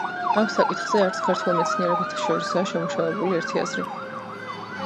ამ საკითხზე არც ქართველ მეცნიერთა შორისაა შემუშავებული ერთი აზრი.